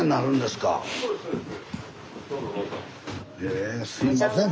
すいません